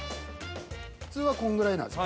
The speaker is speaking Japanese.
普通はこんぐらいなんです。